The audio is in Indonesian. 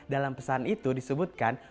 dalam pesan itu disebutkan